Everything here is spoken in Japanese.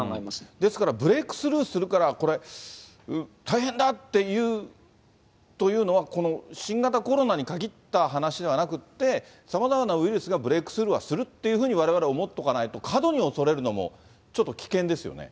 ですからブレークスルーするから、これ、大変だっていうのは、新型コロナに限った話ではなくって、さまざまなウイルスがブレークスルーはするって、われわれ思っとかないと、過度に恐れるのも、ちょっと危険ですよ